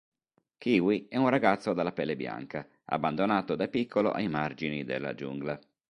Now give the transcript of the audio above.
Kiwi è un ragazzo dalla pelle bianca, abbandonato da piccolo ai margini della giungla.